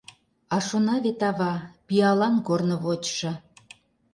А шона вет ава: Пиалан корно вочшо.